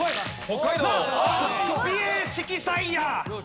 北海道。